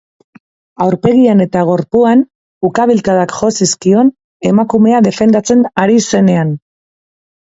Aurpegian eta gorpuan ukabilkadak jo zizkion emakumea defendatzen ari zenean.